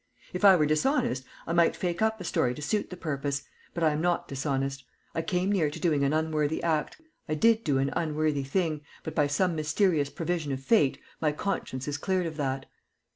If I were dishonest I might fake up a story to suit the purpose, but I am not dishonest. I came near to doing an unworthy act; I did do an unworthy thing, but by some mysterious provision of fate my conscience is cleared of that.